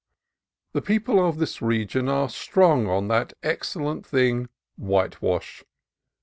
The people of this region are strong on that ex cellent thing, whitewash.